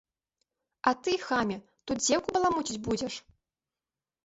А ты, хаме, тут дзеўку баламуціць будзеш?!